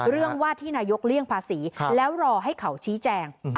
เรื่องว่าที่นายกเลี่ยงภาษีแล้วรอให้เขาชี้แจง